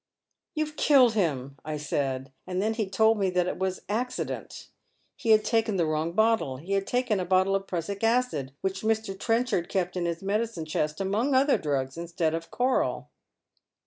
'You've killed him,' I said, and then he told me that it was accident. He had taken the wrong bottle. He had taken a bottle of prussic acid which Mr. Trenchard kept in his medicine chest, among other drugs, instead of choral.